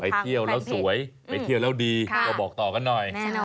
เที่ยวแล้วสวยไปเที่ยวแล้วดีก็บอกต่อกันหน่อย